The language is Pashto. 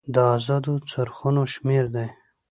د ازادو څرخونو شمیر دی.